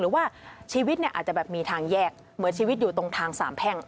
หรือว่าชีวิตเนี่ยอาจจะแบบมีทางแยกเหมือนชีวิตอยู่ตรงทางสามแพ่ง